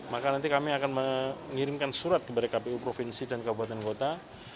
maka nanti kami akan mengirimkan surat kepada kpu provinsi dan kabupaten kota